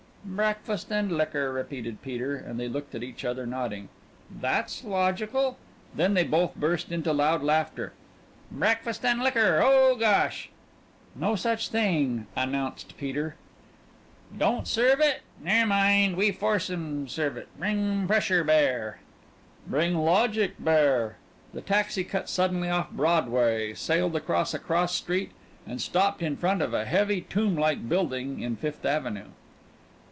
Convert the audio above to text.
"Breakfast and liquor," repeated Peter, and they looked at each other, nodding. "That's logical." Then they both burst into loud laughter. "Breakfast and liquor! Oh, gosh!" "No such thing," announced Peter. "Don't serve it? Ne'mind. We force 'em serve it. Bring pressure bear." "Bring logic bear." The taxi cut suddenly off Broadway, sailed along a cross street, and stopped in front of a heavy tomb like building in Fifth Avenue.